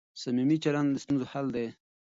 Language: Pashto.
صمیمي چلند د ستونزو حل دی.